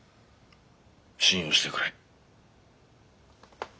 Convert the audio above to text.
信用してくれ。